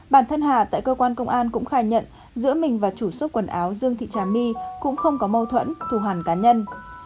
bản thân hà tại cơ quan công an cũng khai nhận giữa mình và chủ số quần áo dương thị trà my cũng không có mâu thuẫn thù hàn cá nhân